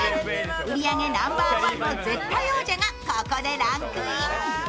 売り上げナンバーワンの絶対王者がここでランクイン。